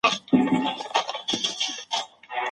خاوند بايد هغې ته سالمه او مثبته روحيه ورکړي.